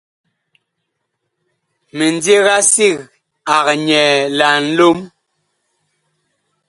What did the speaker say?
Mindiga sig ag nyɛɛ Nlom.